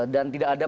dan tidak ada